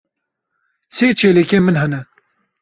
Sê çêlekên min hene.